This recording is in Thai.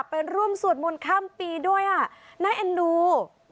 ไปร่วมสวดมนต์ข้ามปีด้วยอ่ะน่าเอ็นดู